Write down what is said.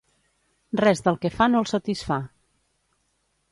Res del que fa no el satisfà.